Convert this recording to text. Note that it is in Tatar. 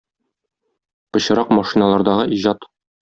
Пычрак машиналардагы иҗат